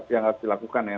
yang harus dilakukan ya